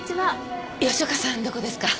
吉岡さんどこですか？